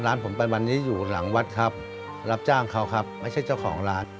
ร้านผมเป็นวันนี้อยู่หลังวัดครับรับจ้างเขาครับไม่ใช่เจ้าของร้าน